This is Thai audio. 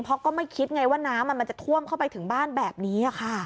เพราะก็ไม่คิดไงว่าน้ำมันจะท่วมเข้าไปถึงบ้านแบบนี้ค่ะ